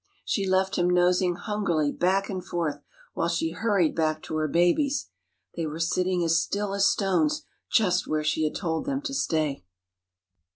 She left him nosing hungrily back and forth, while she hurried back to her babies. They were sitting as still as stones just where she had told them to stay.